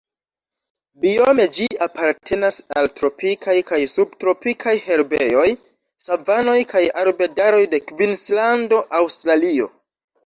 Biome ĝi apartenas al tropikaj kaj subtropikaj herbejoj, savanoj kaj arbedaroj de Kvinslando, Aŭstralio.